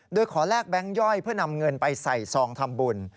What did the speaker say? โดยขอแลกแบงค์ย่อยเพื่อนำเงินไปใส่ซองทำบุญ